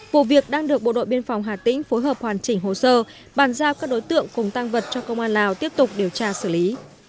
vụ việc đang được bộ đội biên phòng hà tĩnh phối hợp hoàn chỉnh hồ sơ bàn giao các đối tượng cùng tăng vật cho công an lào tiếp tục điều tra xử lý